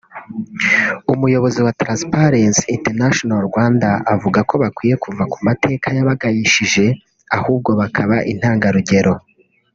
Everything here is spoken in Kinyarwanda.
umuyobozi wa Transparency International Rwanda avuga ko bakwiye kuva mu mateka yabagayishije ahubwo bakaba intangarugero